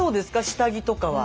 下着とかは？